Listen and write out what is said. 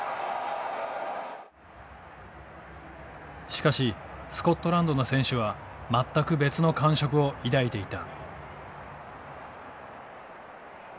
しかしスコットランドの選手は全く別の感触を抱いていた。